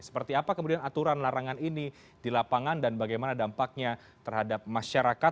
seperti apa kemudian aturan larangan ini di lapangan dan bagaimana dampaknya terhadap masyarakat